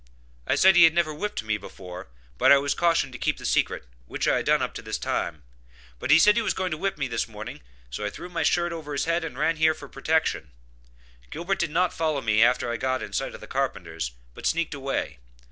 I said he had never whipped me before, but I was cautioned to keep the secret, which I had done up to this time; but he said he was going to whip me this morning, so I threw my shirt over his head and ran here for protection. Gilbert did not follow me after I got in sight of the carpenters, but sneaked away.